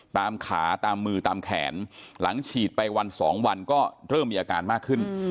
ตามขาตามมือตามแขนหลังฉีดไปวันสองวันก็เริ่มมีอาการมากขึ้น